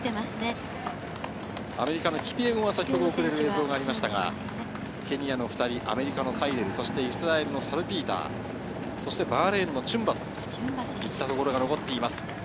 アメリカのキピエゴが遅れましたが、ケニアの２人、アメリカのサイデル、イスラエルのサルピーター、そしてバーレーンのチュンバ、といったところが残っています。